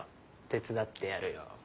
手伝ってやるよ。